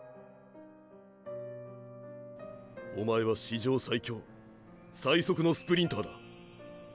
おまえは史上最強最速のスプリンターだ。